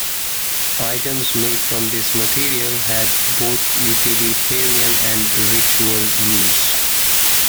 Items made from this material had both utilitarian and ritual use.